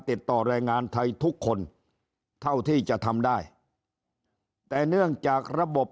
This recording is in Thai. ติดต่อแรงงานไทยทุกคนเท่าที่จะทำได้แต่เนื่องจากระบบ